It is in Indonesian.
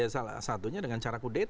salah satunya dengan cara kudete